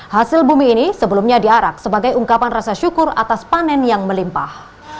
hasil bumi ini sebelumnya diarak sebagai ungkapan rasa syukur atas panen yang melimpah